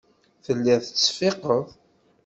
Telliḍ tettseffiqeḍ.